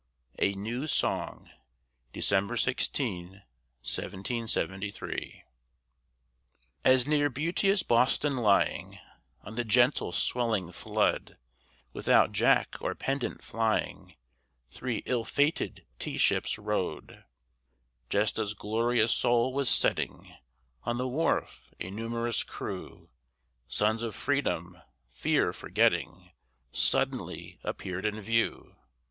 A NEW SONG [December 16, 1773] As near beauteous Boston lying, On the gently swelling flood, Without jack or pendant flying, Three ill fated tea ships rode. Just as glorious Sol was setting, On the wharf, a numerous crew, Sons of freedom, fear forgetting, Suddenly appeared in view.